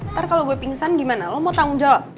ntar kalau gue pingsan gimana lo mau tanggung jawab